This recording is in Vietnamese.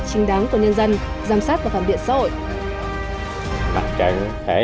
chính đáng của nhân dân giám sát và phản biện xã hội